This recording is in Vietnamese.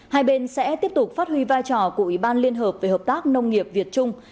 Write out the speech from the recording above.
hai bên sẽ tiếp tục phát huy vai trò của ủy ban liên hợp về hợp tác nông nghiệp việt trung